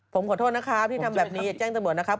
ผมขอโทษนะครับที่ทำแบบนี้อย่าแจ้งตำรวจนะครับ